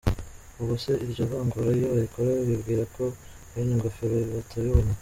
Ubwose iryo vangura iyo barikora bibwira ko bene ngofero batabibona?